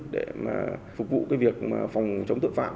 để phục vụ việc phòng chống tượng phạm